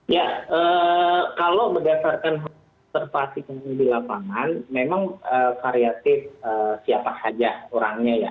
ya kalau berdasarkan observasi yang di lapangan memang kreatif siapa saja orangnya ya